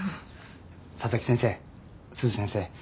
佐々木先生鈴先生。